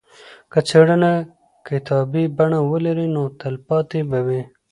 که څېړنه کتابي بڼه ولري نو تلپاتې به وي.